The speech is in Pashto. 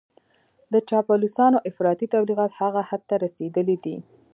د چاپلوسانو افراطي تبليغات هغه حد ته رسېدلي دي.